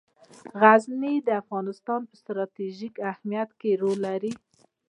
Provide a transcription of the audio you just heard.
غزني د افغانستان په ستراتیژیک اهمیت کې رول لري.